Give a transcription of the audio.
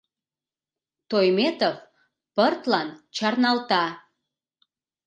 — Тойметов пыртлан чарналта.